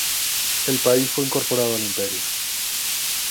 El país fue incorporado al imperio.